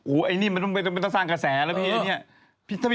อู๋ไอ้นี่มันต้องเป็นต้องสร้างกระแสแล้วพี่